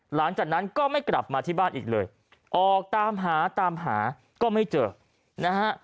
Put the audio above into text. หลังจากนั้นก็ไม่กลับมาที่บ้านอีกเลยออกตามหาตามหาก็ไม่เจอนะฮะ